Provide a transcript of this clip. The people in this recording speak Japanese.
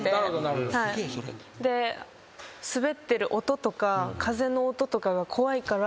滑ってる音とか風の音とかが怖いから。